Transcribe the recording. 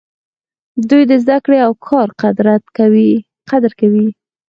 دوی د زده کړې او کار قدر کوي.